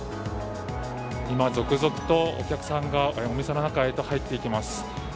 今、続々とお客さんがお店の中へと入っていきます。